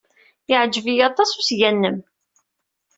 Yeɛjeb-iyi aṭas usga-nnem.